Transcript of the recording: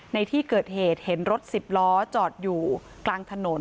ในที่เกิดเหตุเห็นรถสิบล้อจอดอยู่กลางถนน